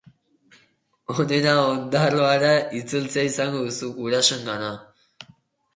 Onena Ondarroara itzultzea izango duzu, gurasoengana.